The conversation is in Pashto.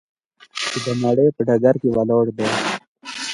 چې د نړۍ په ډګر کې ولاړ دی.